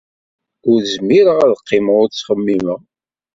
Ur zmireɣ ad qqimeɣ ur ttxemmimeɣ.